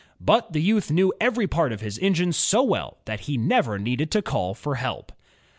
But the youth knew every part of his engine so well that he never needed to call for help.